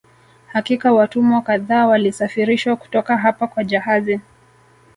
Hakika watumwa kadhaa walisafirishwa kutoka hapa kwa jahazi